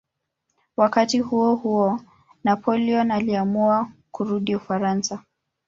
Wakati huohuo Napoleon aliamua kurudi Ufaransa.